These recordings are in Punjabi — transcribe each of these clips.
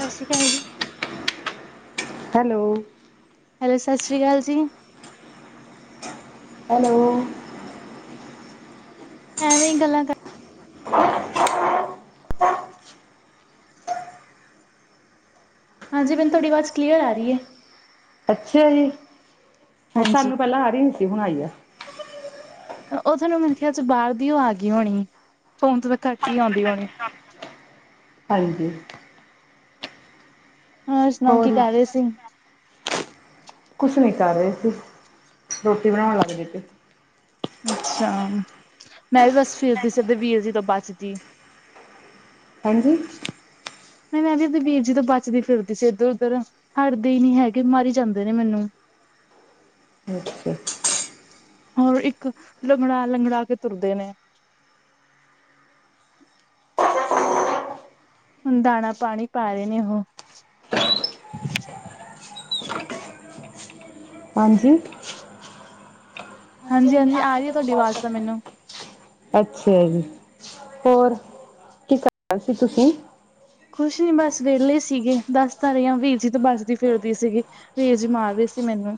ਸਾ਼ਸ੍ਰੀ ਅਕਾਲ ਜੀ। ਹੈਲੋ। ਹੈਲੋ, ਸਸਰੀ ਕਾਲ ਜੀ। ਹੈਲੋ। ਐਵੀ ਗੱਲਾਂ ਕਰ [unintelligible] ਹਾਂਜੀ, ਮੈਨੂੰ ਤੁਹਾਡੀ ਆਵਾਜ਼ ਕਲੀਅਰ ਆ ਰਹੀ ਐ। ਅੱਛਾ ਜੀ, ਹੁਣ ਹਾਂਜੀ, ਸਾਨੂੰ ਪਹਿਲਾਂ ਆ ਰਹੀ ਨੀ ਸੀ ਹੁਣ ਆਈ ਆ। ਉਹ ਤੁਹਾਨੂੰ ਮੈਨੂੰ ਕਿਹਾ ਚ ਬਾਹਰ ਦੀ ਉਹ ਆ ਗਈ ਹੋਣੀਏ, ਫੋਨ ਤੋਂ ਤਾਂ ਘੱਟ ਹੀ ਆਉਦੀ ਹੋਣੀ। ਹਾਂਜੀ। ਹੋਰ ਸੁਣਾਓ? ਕੀ ਕਰ ਰਹੇ ਸੀ। ਕੁਛ ਨਹੀਂ ਕਰ ਰਹੇ ਸੀ। ਰੋਟੀ ਬਣਾਉਣ ਲੱਗਦੇ ਸੀ। ਅੱਛਾ, ਮੈਂ ਵੀ ਬਸ ਫਿਰਦੀ ਸੀ ਇਧਰ ਵੀਰ ਜੀ ਤੋਂ ਬਚਦੀ। ਹੈਜੀ। ਨਹੀਂ ਮੈਂ ਇਧਰ ਵੀਰ ਜੀ ਤੋਂ ਬਚਦੀ ਫਿਰਦੀ ਸੀ ਇੱਧਰ-ਉੱਧਰ। ਹੜਦੀ ਨੀ ਹੈਗੇ ਮਾਰੀ ਜਾਂਦੇ ਨੇ ਮੈਨੂੰ। [unintelligible] ਹੋਰ ਇੱਕ ਲੰਗੜਾ-ਲੰਗੜਾ ਕੇ ਤੁਰਦੇ ਨੇ। ਹੁਣ ਦਾਨਾ ਪਾਣੀ ਪਾ ਰਹੇ ਨੇ ਉਹੋ। ਹਾਂਜੀ। ਹਾਂਜੀ- ਹਾਂਜੀ ਆ ਰਹੀ ਆ ਤੁਹਾਡੀ ਆਵਾਜ਼ ਤਾਂ ਮੈਨੂੰ। ਅੱਛਾ ਜੀ। ਹੋਰ ਕੀ ਕਰ ਸੀ ਤੁਸੀ? ਕੁਛ ਨੀ ਬਸ ਵਿਹਲੇ ਸੀਗੇ। ਦਸ ਤਾਂ ਰਹੀ ਆ ਵੀਰ ਜੀ ਤੋਂ ਬੱਚ ਦੀ ਫਿਰਦੀ ਸੀਗੀ। ਵੀਰ ਜੀ ਮਾਰ ਰਹੇ ਸੀ ਮੈਨੂੰ।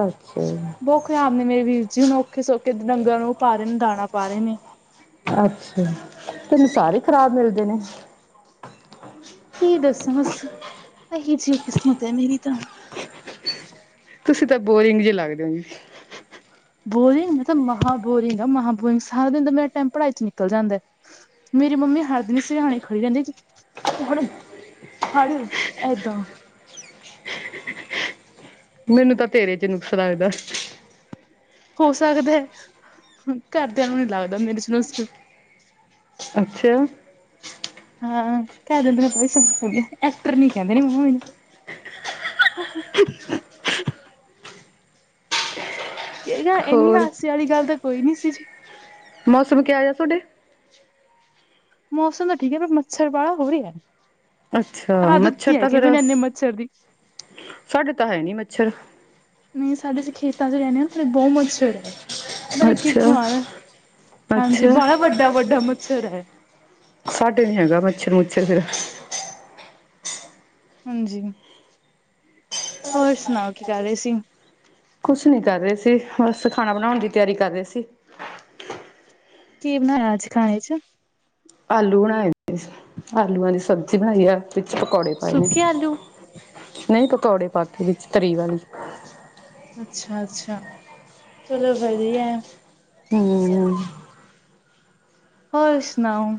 ਅੱਛਾ ਬਹੁਤ ਖ਼ਰਾਬ ਨੇ ਮੇਰੇ ਜੀ। ਵੀਰ ਜੀ ਹੁਣ ਔਖੇ ਸੌਖੇ ਡੰਗਰਾਂ ਨੂੰ ਪਾ ਰਹੇ ਨੇ ਦਾਣਾ ਪਾ ਰਹੇ ਨੇ। ਅੱਛਾ, ਤੈਨੂੰ ਸਾਰੇ ਖ਼ਰਾਬ ਮਿਲਦੇ ਨੇ। ਕੀ ਦੱਸਾ ਬੱਸ ਇਹੀ ਜਿਹੀ ਕਿਸਮਤ ਐ ਮੇਰੀ ਤਾਂ। ਤੁਸੀ ਤਾਂ ਬੋਰਿੰਗ ਜੇ ਲੱਗਦੇ ਓਗੇ। ਬੋਰਿੰਗ ਮੈਂ ਤਾਂ ਮਹਾਂ ਬੋਰਿੰਗ ਆ ਮਹਾਂ ਬੋਰਿੰਗ। ਸਾਰਾ ਦਿਨ ਤਾਂ ਮੇਰਾ ਟੇਮ ਪੜ੍ਹਾਈ 'ਚ' ਨਿਕਲ ਜਾਂਦਾ। ਮੇਰੀ ਮੰਮੀ ਹਰ ਦਿਨ ਸਿਆਣੇ ਖੜੀ ਰਹਿੰਦੀ ਹੜ ਇਹਦਾ। [unintelligible] ਮੈਨੂੰ ਤਾਂ ਤੇਰੇ 'ਚ ਨੁਕਸਾਨ ਲੱਗਦਾ। ਹੋ ਸਕਦਾ ਏ, ਘਰਦਿਆਂ ਨੂੰ ਨੀ ਲੱਗਦਾ ਮੇਰੇ ਚ ਨੁਸਕ। ਅੱਛਾ। ਹਾਂ ਕਹਿ ਦਿੰਦੇ ਐ ਕੋਈ ਨੁਸਕ ਨੀ ਐ। ਐਕਟਰ ਨੀ ਕਹਿੰਦੇ ਮੰਮੀ ਮੈਨੂੰ। [inaudible] ਕਿਹੜਾ, ਇੰਨੀ ਹੋਰ ਹਾਸੇ ਵਾਲੀ ਗੱਲ ਤਾਂ ਕੋਈ ਨੀ ਸੀ ਜੀ। ਮੌਸਮ ਕਿਆ ਯਾ ਥੋਡੇ? ਮੌਸਮ ਤਾਂ ਠੀਕ ਏ, ਪਰ ਮੱਛਰ ਬਾਲਾ ਹੋ ਰਿਹਾ। ਅੱਛਾ, ਆਦਤ ਮੱਛਰ ਨੀ ਤਾਂ ਹੈਗੀ ਫਿਰ ਮੈਨੂੰ ਇੰਨੇ ਮੱਛਰ ਦੀ ਸਾਡੇ ਤਾਂ ਹੈ ਨੀ ਮੱਛਰ। ਨਹੀਂ ਸਾਡੇ ਅਸੀਂ ਖੇਤਾਂ ਚ ਰਹਿੰਦੇ ਹਾਂ ਸਾਡੇ ਬਹੁਤ ਮੱਛਰ ਹੈ ਪਤਾ ਨੀ ਅੱਛਾ। ਕਿੱਥੋਂ ਆ ਰਿਹਾ। ਹਾਂਜੀ ਅੱਛਾ। ਬੜਾ ਵੱਡਾ ਵੱਡਾ ਮੱਛਰ ਹੈ ਸਾਡੇ ਨੀ ਹੈਗਾ, ਮੱਛਰ-ਮੁੱਛਰ ਫਿਰ। ਹਾਂਜੀ। ਹੋਰ ਸੁਣਾਓ ਕੀ ਕਰ ਰਹੇ ਸੀ? ਕੁਛ ਨੀ ਕਰ ਰਹੇ ਸੀ, ਬਸ ਖਾਣਾ ਬਣਾਉਣ ਦੀ ਤਿਆਰੀ ਕਰ ਰਹੇ ਸੀ। ਕੀ ਬਨਾਇਆ ਅੱਜ ਖਾਣੇ 'ਚ? ਆਲੂ ਬਣਾਏ, ਆਲੂਆਂ ਦੀ ਸਬਜ਼ੀ ਬਣਾਈ ਆ, ਵਿੱਚ ਪਕੌੜੇ ਪਾਏ ਨੇ। ਸੁੱਕੇ ਆਲੂ ਨਹੀਂ, ਪਕੌੜੇ ਪਾ ਕੇ ਵਿੱਚ ਤਰੀ ਵਾਲੀ। ਅੱਛਾ- ਅੱਛਾ, ਚਲੋ ਵਧੀਆ। ਹਮ। ਹੋਰ ਸੁਣਾਓ?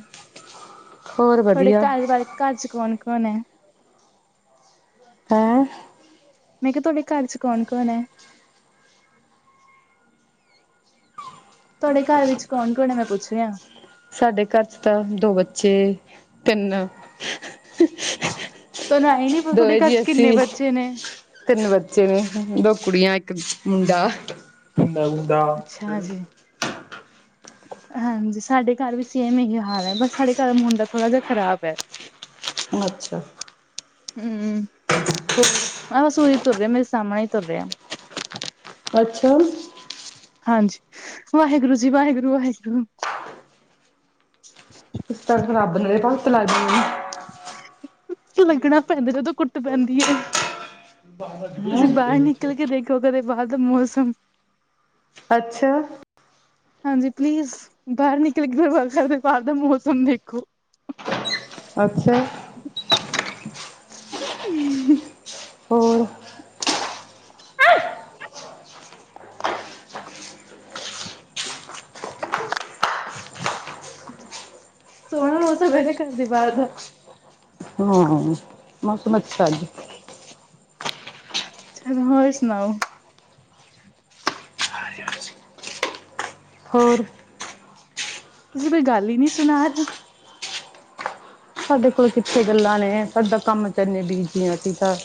ਹੋਰ ਤੁਹਾਡੇ ਵਧੀਆ ਘਰ ਬਾਰੇ, ਘਰ 'ਚ ਕੌਣ -ਕੌਣ ਐ? ਹੈੰ। ਮੈਂ ਕਿਹਾ, ਤੁਹਾਡੇ ਘਰ 'ਚ ਕੌਣ -ਕੌਣ ਐ? ਤੁਹਾਡੇ ਘਰ ਵਿੱਚ 'ਚ ਕੌਣ- ਹੈ ਕੌਣ? ਮੈਂ ਪੁੱਛ ਰਿਹਾ [unintelligible] ਸਾਡੇ ਘਰ 'ਚ ਤਾਂ ਦੋ ਬੱਚੇ, ਤਿੰਨ। [unintelligible] ਤੁਹਾਨੂੰ ਐਏ ਨੀ ਪਤਾ, ਤੁਹਾਡੇ ਦੋਏ ਘਰ ਜੀ 'ਚ ਕਿੰਨੇ ਅਸੀਂ ਬੱਚੇ ਨੇ? ਤਿੰਨ ਬੱਚੇ ਨੇ, ਦੋ ਕੁੜੀਆਂ ਇੱਕ ਮੁੰਡਾ ਮ ਮੁੰਡਾ। ਅੱਛਾ ਜੀ [unintelligible] ਹ। [inaudible] ਹਾਂਜੀ, ਸਾਡੇ ਘਰ ਵੀ ਸੇਮ ਇਹੀ ਹਾਲ ਹੈ, ਬਸ ਸਾਡੇ ਘਰ ਮੁੰਡਾ ਥੋੜਾ ਜਿਹਾ ਖਰਾਬ ਐ। ਉਹ ਅੱਛਾ। ਹਮ। [inaudible] ਬਸ ਓਹੀ ਤੁਰ ਰਿਹਾ, ਮੇਰੇ ਸਾਹਮਣੇ ਹੀ ਤੁਰ ਰਿਹਾ। ਅੱਛਾ। ਹਾਂਜੀ, ਵਾਹਿਗੁਰੂ ਜੀ, ਵਾਹਿਗੁਰੂ -ਵਾਹਿਗੁਰੂ। ਤੁਸੀਂ ਤਾਂ ਰੱਬ ਦੀ ਭਗਤ ਲਾਗੀ। ਲੱਗਣਾ ਪੈਂਦਾ ਜਦੋਂ ਕੁੁੱਟ ਪੈਂਦੀ ਹੈ, ਤੁਸੀਂ ਬਾਹਰ ਨਿਕਲ ਕੇ ਦੇਖ ਔਰ ਕਦੈ ਬਾਹਰ ਦਾ ਮੌਸਮ। ਅੱਛਾ। ਹਾਂਜੀ, ਪਲੀਜ਼, ਬਾਹਰ ਨਿਕਲ ਕੇ [unintelligible] ਦਾ ਬਾਹਰ ਦਾ ਮੌਸਮ ਦੇਖੋ। ਅੱਛਾ। ਹਮ। ਹੋਰ? [unintelligible] ਸੋਹਣਾ ਮੌੋਸਮ ਆ, ਇਹਦੇ ਘਰ ਦੇ ਬਾਹਰ ਦਾ। ਹਾਂ, ਮੌਸਮ ਅੱਛਾ ਜੀ। ਅੱਛਾ, ਹੋਰ ਸੁਣਾਓ? [unintelligible] ਹੋਰ? ਤੁਸੀਂ ਕੋਈ ਗੱਲ ਹੀ ਨੀ ਸੁਣਾ ਰਹੇ? ਸਾਡੇ ਕੋਲ ਕਿੱਥੇ ਗੱਲਾਂ ਨੇ, ਸਾਡਾ ਤਾਂ ਕੰਮ 'ਚ ਇੰਨੇ ਬੀਜੀ ਅਸੀ ਤਾ।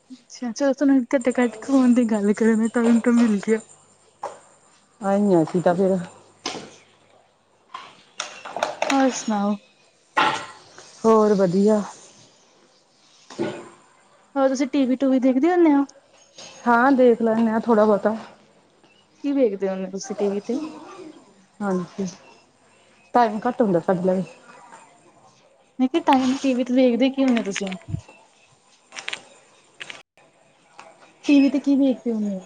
[unintelligible] ਆਇ ਆ ਅਸੀਂ ਤਾ ਫਿਰ। ਹੋਰ ਸੁਣਾਓ? ਹੋਰ ਵਧੀਆ। ਹੋਰ ਤੁਸੀਂ ਟੀ ਵੀ-ਟੂ ਵੀ ਦੇਖਦੇ ਹੁੰਦੇ ਹੋ? ਹਾਂ ਦੇਖ ਲੈਂਣੇ ਆ ਥੋੜ੍ਹਾ- ਬਹੁਤਾ। ਕੀ ਵੇਖਦੇ ਹੋੁਣੇ ਤੁਸੀਂ ਟੀ ਵੀ ਤੇ? ਹਾਂਜੀ, ਟਾਈਮ ਘੱਟ ਹੁੰਦਾ ਸਾਡੇ ਲਵੇ। ਨਹੀਂ ਫਿਰ ਟਾਈਮ ਟੀ ਵੀ ਤੇ ਦੇਖਦੇ ਕੀ ਹੋਣੇ ਹੋ ਤੁਸੀਂ? ਟੀ ਵੀ ਤੇ ਲਵੇ। ਕੀ ਵੇਖਦੇ ਹੁਣੇ ਓ?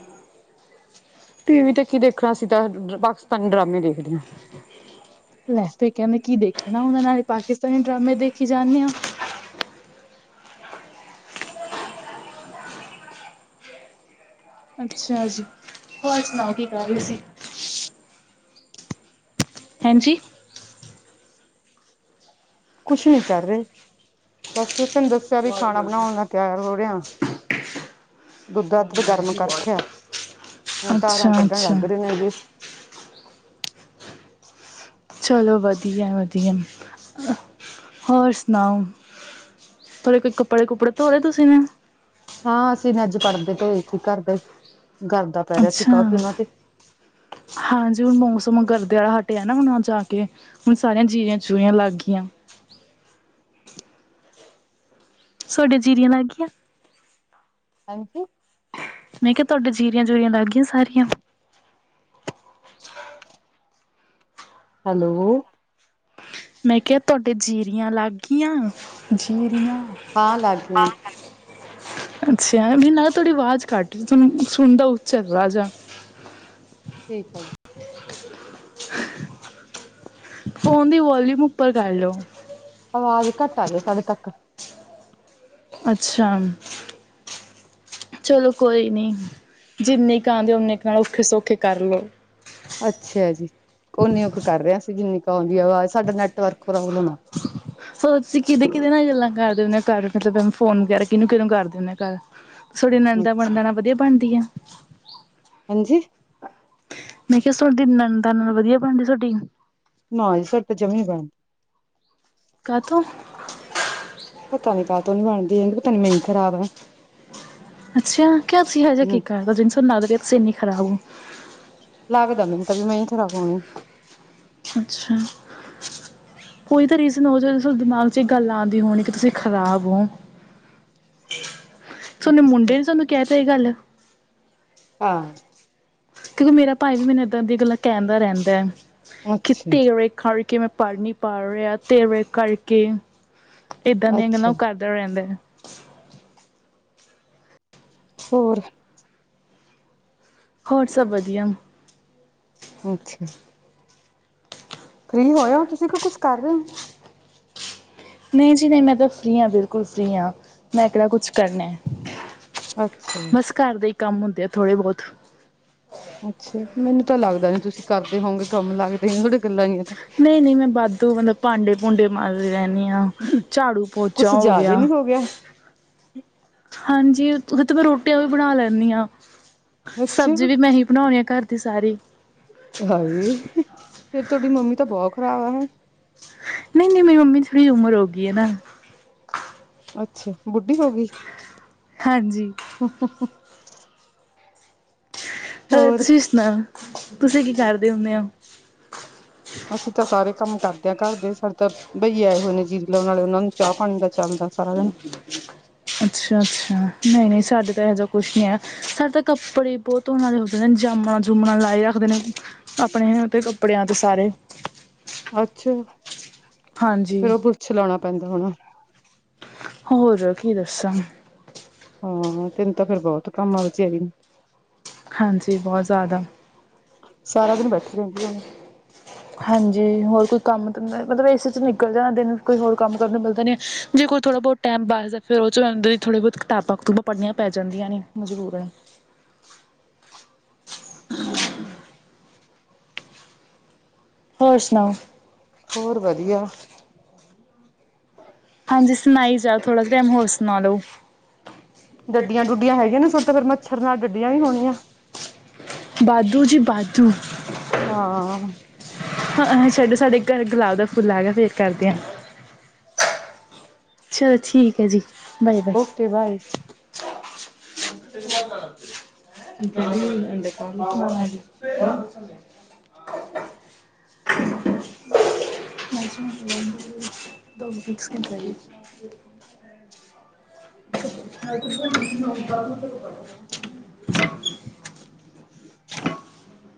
ਟੀ ਵੀ ਤੇ ਕੀ ਦੇਖਣਾ, ਅਸੀਂ ਤਾਂ ਪਾਕਿਸਤਾਨੀ ਡਰਾਮੇ ਦੇਖਦਿਆ। ਲੈ ਕਹਿੰਦੇ ਕੀ ਦੇਖਣਾ, ਉਹਨਾਂ ਨਾਲੇ ਪਾਕਿਸਤਾਨੀ ਡਰਾਮੇ ਦੇਖੀ ਜਾਣੇ ਹੋ। ਅੱਛਾ ਜੀ, ਹੋਰ ਸੁਣਾਓ ਕੀ ਕਰ ਰਹੇ ਸੀ? ਹੈਂਜੀ ਕੁਛ ਨੀ ਕਰ ਰਹੇ। ਬਸ ਫਿਰ ਤੈਨੂੰ ਦੱਸਿਆ ਵੀ ਖਾਣਾ ਬਣਾਉਣ ਨਾਲ ਤਿਆਰ ਹੋ ਰਹੇ ਆ। ਦੁੱਧਾ ਤੇ ਗਰਮ ਕਰ ਰੱਖਿਆ, ਹੁਣ ਧਾਰਾਂ ਕੱਢਣ ਅੱਛਾ-ਅੱਛਾ ਲੱਗ ਰਹੇ ਆ ਜੀ। ਚਲੋ, ਵਧੀਆ-ਵਧੀਆ ਹੋਰ ਸੁਣਾਓ? ਥੋੜੇ ਕੋਈ ਕੱਪੜੇ ਕੁੱਪੜੇ ਧੋਲੇ ਤੁਸੀਂ ਨੇ? ਹਾਂ, ਅਸੀ ਨੇ ਅੱਜ ਪਰਦੇ ਪੇਜ ਸੀ ਘਰਦੇ। ਅੱਛਾ। ਹਾਂਜੀ, ਹੁਣ ਮੌਸਮ ਗਰਦੇ ਆਲਾ ਹਟਿਆ ਨਾ ਜਾ ਕੇ। ਹੁਣ ਸਾਰੀਆਂ ਜੀਰੀਆਂ-ਜੂਰੀਆਂ ਲੱਗ ਗਈਆਂ। ਸੋਡੇ ਜੀਰੀਆਂ ਲਗ ਗਈਆਂ। ਹੇਜੀ। ਮੈਂ ਕਿਹਾ ਤੁਹਾਡੇ ਜੀਰੀਆਂ-ਜੁਰੀਆਂ ਲੱਗ ਗਈਆਂ ਸਾਰੀਆਂ? ਹੈਲੋ। ਮੈਂ ਕਿਹਾ ਤੁਹਾਡੇ ਜੀਰੀਆਂ ਲਾਗੀਆਂ, ਜੀਰੀਆਂ, ਹਾਂ ਲਗ ਗਈਆਂ। ਅੱਛਾ ਵੀ ਨਾ ਤੁਹਾਡੀ ਆਵਾਜ਼ ਕੱਟ ਰੀ, ਸੋਨੂੰ ਸੁਣਦਾ ਉੱਚਾ ਥੋੜ੍ਹਾ ਜਾ। ਠੀਕ ਏ ਜੀ। [inaudible] ਫੋਨ ਦੀ ਵਾਲੋਊਮ ਉੱਪਰ ਕਰ ਲਓ। ਅਵਾਜ਼ ਘੱਟ ਆ ਰਹੀ ਆ ਤੋਡੇ ਤੱਕ। ਅੱਛਾ। ਚਲੋ ਕੋਈ ਨੀ, ਜਿੰਨੇ ਕੁ ਆਂਦੇ ਓਨੇ ਕੁ ਨਾਲ ਔਖੇ-ਸੌਖੇ ਕਰ ਲਉ। ਅੱਛਾ ਜੀ, ਉਨੀੳ ਕੁ ਕਰ ਰਹੇ ਅਸੀ ਜਿੰਨੀ ਕੁ ਆਉਦੀ ਆ ਵਾਜ ਸਾਡਾ ਨੈਟਵਰਕ ਪ੍ਰੋਬਲਮ ਆ। [inaudible] ਫਿਰ ਤੁਸੀ ਕੀਹਦੇ-ਕੀਹਦੇ ਨਾਲ ਗੱਲਾਂ ਕਰਦੇ ਹੁਣੇ ਹਾਂ ਘਰ ਮਤਲਬ ਫੋਨ ਵਗੈਰਾ ਕਿਹਨੂੰ-ਕਿਹਨੂੰ ਕਰਦੇ ਹੁਣੇ ਉ ਘਰ? ਸੌਡੀ ਨਨੰਦਾ ਬਣਦਾ ਨਾ ਵਧੀਆ ਬਣਦੀ ਐ? ਹੈਜੀ ਮੈਂ ਕਿਹਾ ਸੋਡੀ ਨਨੰਦਾ ਨਾਲ ਵਧੀਆ ਬਣਦੀ ਥੋਡੀ? ਨਾ ਜੀ, ਸਾਡੇ ਤਾ ਜਮਾ ਈ ਨਹੀਂ ਬਣਦੀ। ਕਾਤੋ? ਪਤਾ ਕਾਤੋ ਨੀ ਬਣਦੀ ਹੈਗੀ, ਪਤਾ ਨੀ ਮੈ ਈ ਖਰਾਬ ਆ। ਅੱਛਾ, ਕਿਆ ਤੁਸੀ ਇਹੋ ਜਿਹਾ ਕੀ ਹੂੰ ਕਰਤਾਂ ਜਿਨ੍ਹਾਂ ਤੁਸੀ ਲਗ ਰਹੋ ਹੋ ਤੁਸੀ ਇੰਨੀ ਖਰਾਬ ਹੋ? ਲਗਦਾ ਮੈਨੂੰ ਤਾਂ ਵੀ ਮੈ ਹੀ ਖ਼ਰਾਬ ਹੋਈ ਹੂ। ਅੱਛਾ। ਕੋਈ ਤਾਂ ਰੀਜ਼ਨ ਹੋ ਜਾ ਤੁ ਦਿਮਾਗ ਚ ਗੱਲ ਆਦੀ ਹੋਣੀ ਕਿ ਤੁਸੀਂ ਖ਼ਰਾਬ ਹੋ। ਸੋਨੇ ਅੱਛਾ ਮੁੰਡੇ ਨੇ ਸੋਨੂੰ ਕਹਿ ਤ ਇਹ ਗੱਲ। ਹਾਂ। ਕਿਉਂਕਿ ਮੇਰਾ ਭਾਈ ਵੀ ਮੈਨੂੰ ਏਦਾਂ ਦੀਆਂ ਗੱਲਾਂ ਕਹਿੰਦਾ ਰਹਿੰਦਾ ਹੈ ਕਿਤੇ ਅੱਛਾ ਤੇਰੇ ਕਰ ਕੇ ਮੈਂ ਪੜ੍ਹ ਨੀ ਪਾ ਰਿਹਾ ਤੇਰੇ ਕਰਕੇ ਏਦਾਂ ਦੀਆਂ ਅੱਛਾ ਗੱਲਾਂ ਕਰ ਰਹਿੰਦਾ। ਹੋਰ। ਹੋਰ ਸਭ ਵਧੀਆ। ਅੱਛਾ। ਫ੍ਰਰੀ ਹੋਏ ਤੁਸੀਂ ਕੋ ਕੁਛ ਕਰ ਰਹੇ ਹੋ? ਨਹੀਂ ਜੀ ਨਹੀਂ। ਮੈਂ ਤਾਂ ਫ੍ਰਰੀ ਹਾਂ ਬਿਲਕੁਲ ਫ੍ਰੀ ਹਾਂ ਮੈਂ ਕਿਹੜਾ ਕੁਛ ਕਰਨਾ। ਅੱਛਾ ਜੀ। ਬਸ ਘਰ ਦੇ ਹੀ ਕੰਮ ਹੁੰਦੇ ਆ ਥੋੜ੍ਹੇ ਬਹੁਤ। ਅੱਛਾ, ਮੈਨੂੰ ਤਾਂ ਲੱਗਦਾ ਨੀ ਤੁਸੀਂ ਕਰਦੇ ਹੋਗੇ ਕੰਮ ਲੱਗ ਦਾ ਨੀ ਸੋਡੀਆਂ ਗੱਲਾਂ ਜਹੀਆਂ ਤੋਂ। ਨਹੀਂ -ਨਹੀਂ। ਮੈਂ ਵਾਧੂ ਮਤਲਬ ਭਾਂਡੇ-ਭੂੰਡੇ ਮਾਂਜ ਲੈਣੀ ਹਾਂ ਝਾੜੂ-ਪੋਚਾ ਕੁਛ ਹੋ ਜ਼ਿਆਦਾ ਗਿਆ। ਨੀ ਹੋ ਹਾਂਜੀ ਉਹਦੇ ਮੈਂ ਰੋਟੀਆਂ ਵੀ ਲੈਣੀ ਹਾਂ। ਅੱਛਾ ਸਬਜੀ ਵੀ ਮੈਂ ਹੀ ਬਣਾਉਣੀ ਆ ਘਰ ਦੀ ਸਾਰੀ। ਹਾਏ, ਫਿਰ ਤੁਹਾਡੀ ਮੰਮੀ ਤਾਂ ਬਹੁਤ ਖ਼ਰਾਬ ਆ ਹਨਾ। ਨਹੀਂ- ਨਹੀਂ। ਮੇਰੀ ਮੰਮੀ ਥੋੜ੍ਹੀ ਉਮਰ ਹੋ ਗਈ ਏ ਨਾ। ਅੱਛਾ, ਬੁੱਢੀ ਹੋ ਗਈ। ਹਾਂਜੀ। [inaudible] ਹੋਰ ਤੁਸੀਂ ਸੁਣਾਓ। ਤੁਸੀਂ ਕੀ ਕਰਦੇ ਹੁੰਦੇ ਹੋ? ਅਸੀਂ ਤਾਂ ਸਾਰੇ ਕੰਮ ਕਰਦੇ ਹਾਂ ਘਰ ਦੇ ਸਾਡੇ ਤਾਂ ਬਈਏ ਆਏ ਹੋਏ ਨੇ ਜੀਰੀ ਲਾਉਣ ਵਾਲੇ ਉਹਨਾਂ ਨੂੰ ਚਾਹ ਪਾਣੀ ਦਾ ਚੱਲਦਾ ਸਾਰਾ ਦਿਨ। [inaudible] ਅੱਛਾ -ਅੱਛਾ। ਨਹੀਂ-ਨਹੀਂ ਸਾਡੇ ਤਾਂ ਇਹੋ ਜਹਾ ਕੁਛ ਨਹੀਂ ਏ। ਸਾਡੇ ਤਾਂ ਕੱਪੜੇ ਹੀ ਬਹੁਤ ਧੋਣ ਵਾਲੇ ਹੋਏ ਪਏ ਨੇ ਜਾਮਣਾ- ਜੁਮਣਾ ਲਾਈ ਰੱਖਦੇ ਨੇ ਆਪਣੇ ਤੇ ਕੱਪੜਿਆਂ ਤੇ ਸਾਰੇ। ਅੱਛਾ, ਹਾਂਜੀ ਫਿਰ ਉਹ ਪੁੱਛ ਲਾਉਣਾ ਪੈਂਦਾ ਹੋਣਾ। ਹੋਰ ਕੀ ਦੱਸਾਂ? ਹਾਂ ਤੈਨੂੰ ਤਾਂ ਫਿਰ ਬਹੁਤ ਕੰਮ ਆ ਵਿਚਾਰੀ ਨੂੰ। ਹਾਂਜੀ, ਬਹੁਤ ਜ਼ਿਆਦਾ। ਸਾਰਾ ਦਿਨ ਬੈਠੀ ਰਹਿੰਦੀ ਹੋਣੀ। ਹਾਂਜੀ ਹੋਰ ਕੋਈ ਕੰਮ ਮਤਲਬ ਇਸੇ ਚ ਨਿਕਲ ਜਾਂਣਾ ਦਿਨ ਕੋਈ ਹੋਰ ਕੰਮ ਕਰਨ ਨੂੰ ਮਿਲਦਾ ਨਹੀ। ਜੇ ਕੋਈ ਥੋੜ੍ਹਾ ਬਹੁਤ ਟਾਈਮ ਪਾਸ ਦਾ ਫਿਰ ਉਹ 'ਚ ਆਏ ਹੁੰਦਾ ਥੋੜ੍ਹੀ ਬਹੁਤ ਕਿਤਾਬਾਂ -ਕੁਤੁਬਾ ਪੜ੍ਹੀਆਂ ਪੈ ਜਾਂਦੀਆਂ ਨੇ ਮਜ਼ਬੂਰ। ਹੋਰ ਸੁਣਾਓ। ਹੋਰ ਵਧੀਆ। ਜੀ ਸੁਣਾਈ ਜਾ ਥੋੜ੍ਹਾ ਟਾਈਮ ਹੋਰ ਸੁਣਾ ਲੋ। ਡੱਡੀਆਂ -ਡੁੱਡੀਆਂ ਹੈਗੀਆਂ ਨੇ ਸੋਡੇ ਤਾਂ ਫਿਰ ਮੱਛਰ ਨਾਲ ਡੱਡੀਆਂ ਵੀ ਹੋਣੀਆਂ। ਬਾਦੂ ਜੀ ਬਾਦੂ। ਹਾਂ। ਹਾਂ, ਛੱਡੋ ਸਾਡੇ ਘਰ ਗੁਲਾਬ ਦਾ ਫੁੱਲ ਹੈਗਾ ਫਿਰ ਕਰਦੇ ਹਾਂ। ਚਲੋ ਠੀਕ ਏ ਜੀ। Bye okay bye. [unintelligible] [unintelligible] [unintelligible] [unintelligible] [inaudible]